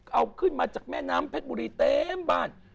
เอาขึ้นมาจากแม่น้ำเพชรบุรีเต็มบ้าน